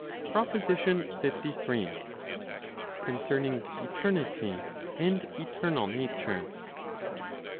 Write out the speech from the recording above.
PROPOSITION LIII. Concerning Eternity and Eternal Natures.